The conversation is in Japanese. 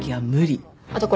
あとこれ。